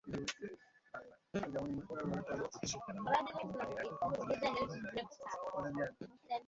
বর্তমানে কাজের প্রসঙ্গে জানালেন, কিছুদিন আগে একটা কোমল পানীয়র বিজ্ঞাপনে মডেল হয়েছিলেন।